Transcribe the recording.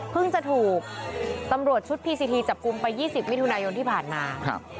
จะถูกตำรวจชุดพีซีทีจับกลุ่มไป๒๐มิถุนายนที่ผ่านมาครับ